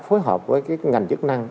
phối hợp với ngành chức năng